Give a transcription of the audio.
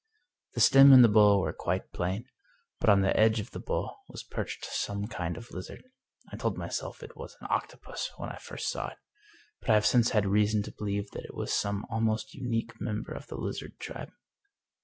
The stem and the bowl were quite plain, but on the edge of the bowl was perched some kind of lizard. I told my self it was an octopus when I first saw it, but I have since had reason to beUeve that it was some almost unique mem ber of the lizard tribe.